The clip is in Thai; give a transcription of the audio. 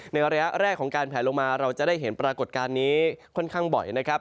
ระยะแรกของการแผลลงมาเราจะได้เห็นปรากฏการณ์นี้ค่อนข้างบ่อยนะครับ